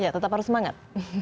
tetap harus semangat